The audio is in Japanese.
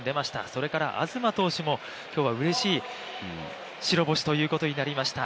それから東投手も今日はうれしい白星ということになりました。